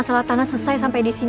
ketika kita terima lukisan tersebut